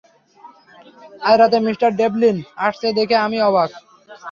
আজ রাতে Mr Devlin আসছে দেখে আমি অবাক।